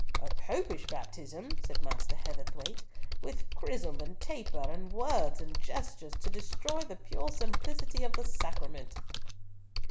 "A Popish baptism," said Master Heatherthwayte, "with chrism and taper and words and gestures to destroy the pure simplicity of the sacrament."